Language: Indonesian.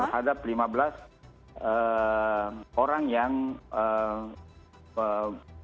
hadap lima belas orang yang berpengalaman